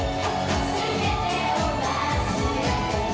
すべてを忘れて！